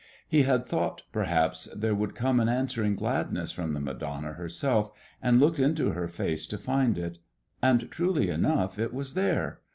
He had thought perhaps there would come an answering gladness from the Madonna herself and looked into her face to find it. And truly enough it was there.